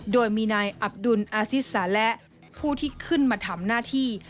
โดยมีนายอับดุลอาซิสาและผู้ที่ขึ้นมาทำหน้าที่